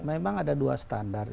memang ada dua standar